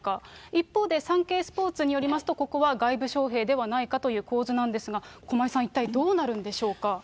一方で、サンケイスポーツによりますと、ここは外部招へいではないかという構図なんですが、駒井さん、一体どうなるんでしょうか。